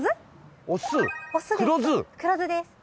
黒酢です。